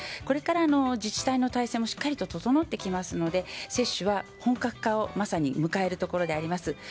これから自治体の体制もしっかりと整ってきますのでまさに、接種は本格化を迎えるところであります。